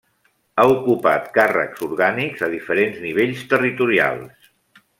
Ha ocupat càrrecs orgànics a diferents nivells territorials.